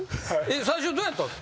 最初どうやったって？